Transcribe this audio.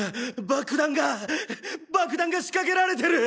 爆弾が仕掛けられてる！